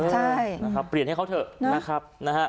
ใช่เปลี่ยนให้เขาเถอะนะครับ